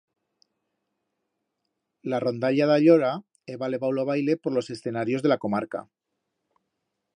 La rondalla d'allora heba levau lo baile por los escenarios de la comarca.